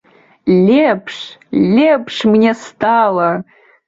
Лепш, лепш мне стала!